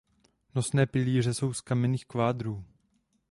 Nosné pilíře jsou z kamenných kvádrů.